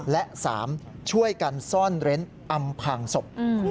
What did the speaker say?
และ๓ช่วยกันซ่อนเร้นอำพางศพ